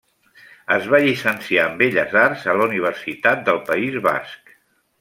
Es va llicenciar en Belles Arts a la Universitat del País Basc.